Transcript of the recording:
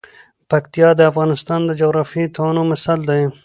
پکتیا د افغانستان د جغرافیوي تنوع مثال دی.